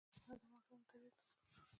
طلا د افغانستان د طبیعت د ښکلا برخه ده.